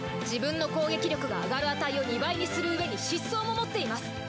自分の攻撃力が上がる値を２倍にするうえに疾走も持っています。